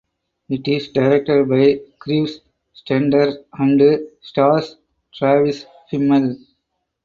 It is directed by Kriv Stenders and stars Travis Fimmel.